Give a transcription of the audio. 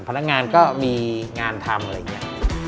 พนักงานก็มีงานทำอะไรอย่างนี้